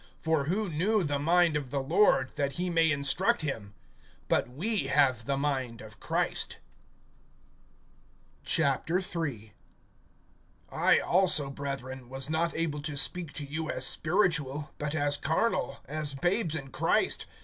(16)For who knew the mind of the Lord, that he may instruct him? But we have the mind of Christ. III. I ALSO, brethren, was not able to speak to you as spiritual, but as carnal, as babes in Christ.